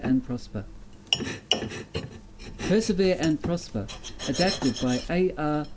PERSEVERE AND PROSPER ADAPTED BY A. R.